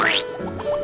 gue berdua pacaran ya